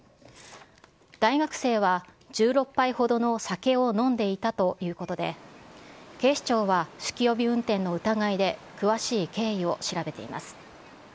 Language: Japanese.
大学生は１６杯ほどの酒を飲んでいたということで、警視庁は酒気帯び運転の疑いで詳しい経緯を調べています。